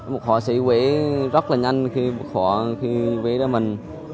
một họa sĩ vẽ rất là nhanh khi vẽ ra mình